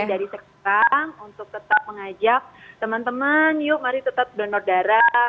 terima kasih dari seksang untuk tetap mengajak teman teman yuk mari tetap donor darah